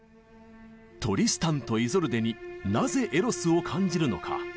「トリスタンとイゾルデ」になぜエロスを感じるのか。